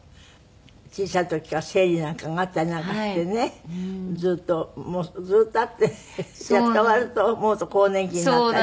小さい時から生理なんかがあったりなんかしてねずっともうずっとあってやっと終わると思うと更年期になったり。